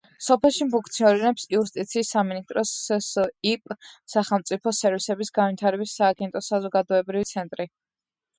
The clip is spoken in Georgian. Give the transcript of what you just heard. სოფელში ფუნქციონირებს იუსტიციის სამინისტროს სსიპ სახელმწიფო სერვისების განვითარების სააგენტოს საზოგადოებრივი ცენტრი.